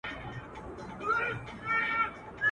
نه د عقل يې خبر د چا منله.